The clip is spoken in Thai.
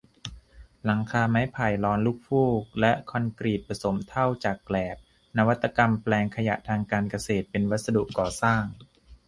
หลังคาไม้ไผ่ลอนลูกฟูก และ คอนกรีตผสมเถ้าจากแกลบ นวัตกรรมแปลงขยะทางการเกษตรเป็นวัสดุก่อสร้าง